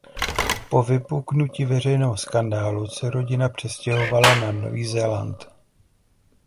Po vypuknutí veřejného skandálu se rodina přestěhovala na Nový Zéland.